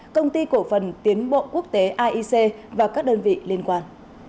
công ty cổ phần tiến bộ quốc tế aic và các đơn vị liên quan